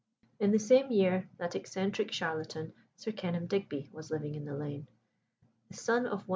In the same year that eccentric charlatan, Sir Kenelm Digby, was living in the lane.